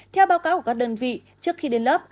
theo báo cáo của các đơn vị trước khi đến lớp